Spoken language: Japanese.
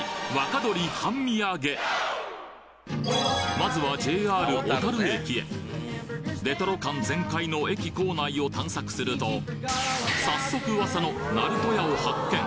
まずはＪＲ小樽駅へレトロ感全開の駅構内を探索すると早速噂のなると屋を発見